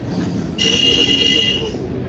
আমাকে সকল ডিটেইলস দিন এই মামলার, স্যার।